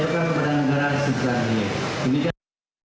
pembiayaan kepada negara sejarah ini